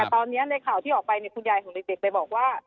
แต่ตอนนี้ในข่าวที่ออกไปคุณยายของเด็กเลยบอกว่า